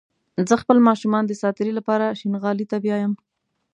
زه خپل ماشومان د ساعتيرى لپاره شينغالي ته بيايم